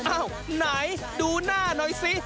ไหนดูหน้าหน่อยสิ